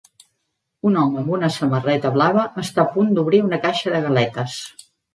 Un home amb una samarreta blava està a punt d'obrir una caixa de galetes.